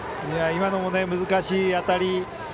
今のも難しい当たり。